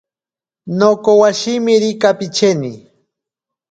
Nokowashirimi kapicheni.